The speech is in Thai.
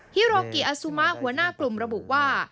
ฮิโรกิอสุมะหัวหน้ากลุ่มระบุว่า